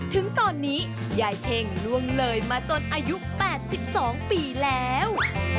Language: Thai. ถึงตอนนี้ยายเช่งล่วงเลยมาจนอายุ๘๒ปีแล้ว